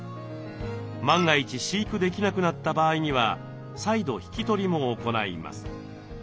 万が一飼育できなくなった場合には再度引き取りも行います。